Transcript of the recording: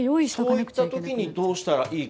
そういった時にどうしたらいいか。